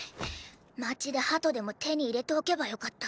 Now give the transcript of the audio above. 街でハトでも手に入れておけばよかった。